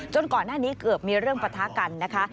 ก่อนหน้านี้เกือบมีเรื่องปะทะกันนะคะ